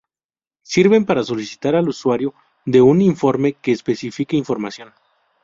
Sirven para solicitar al usuario de un informe que especifique información.